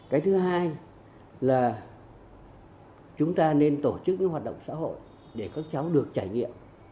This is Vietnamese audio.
cái thứ hai là chúng ta nên tổ chức những hoạt động xã hội để các cháu được trải nghiệm